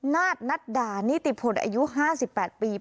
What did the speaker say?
นาตนัดดาหนี้ติดผลอายุห้าสิบแปดปี